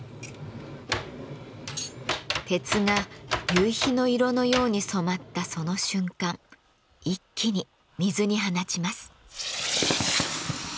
鉄が夕日の色のように染まったその瞬間一気に水に放ちます。